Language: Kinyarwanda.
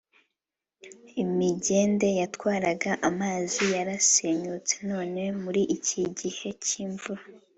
Imigende yatwaraga amazi yarasenyutse none muri iki gihe cy’imvura